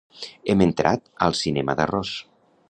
Hem entrat al cinema d'arròs.